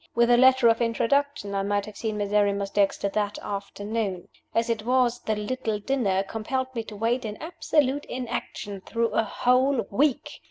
With a letter of introduction, I might have seen Miserrimus Dexter that afternoon. As it was, the "little dinner" compelled me to wait in absolute inaction through a whole week.